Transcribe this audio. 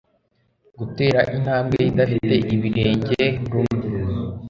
gutera intambwe idafite ibirenge - rumi